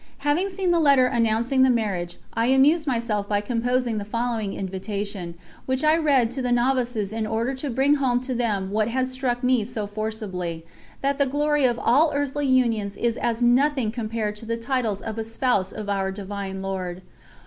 Having seen the letter announcing the marriage, I amused myself by composing the following invitation, which I read to the novices in order to bring home to them what had struck me so forcibly that the glory of all earthly unions is as nothing compared to the titles of a Spouse of Our Divine Lord.